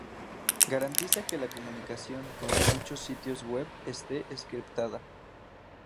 garantiza que la comunicación con muchos sitios web esté encriptada